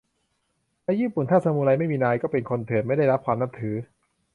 ในญี่ปุ่น ถ้าซามูไรไม่มีนาย ก็เป็นคนเถื่อน ไม่ได้รับความนับถือ